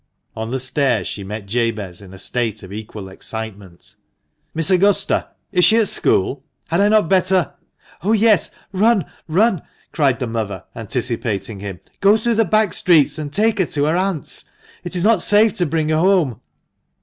On the stairs she mef Jabez, in a state of equal excitement. " Miss Augusta ! Is she at school ? Had I not better " "Oh, yes! Run! run!" cried the mother, anticipating him. "Go through the back streets, and take her to her aunt's. It is not safe to bring her home."